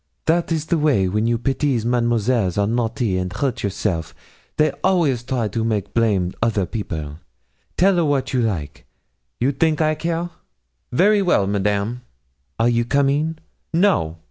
That is the way wen you petites Mademoiselles are naughty and hurt yourself they always try to make blame other people. Tell a wat you like you think I care?' 'Very well, Madame.' 'Are a you coming?' 'No.'